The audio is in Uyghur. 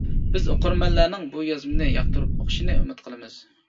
بىز ئوقۇرمەنلەرنىڭ بۇ يازمىنى ياقتۇرۇپ ئوقۇشىنى ئۈمىد قىلىمىز.